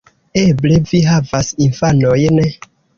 Eble vi havas infanojn?